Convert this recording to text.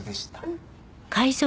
うん。